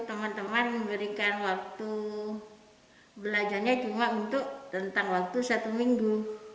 teman teman memberikan waktu belajarnya cuma untuk rentang waktu satu minggu